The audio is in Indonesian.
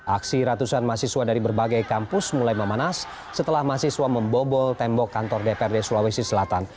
aksi ratusan mahasiswa dari berbagai kampus mulai memanas setelah mahasiswa membobol tembok kantor dprd sulawesi selatan